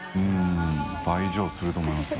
椣幣すると思いますね。